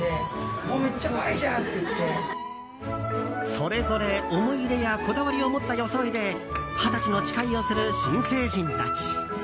それぞれ思い入れやこだわりを持った装いで二十歳の誓いをする新成人たち。